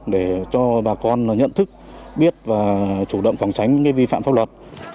để cho bà con nhận thức biết và chủ động phòng tránh vi phạm pháp luật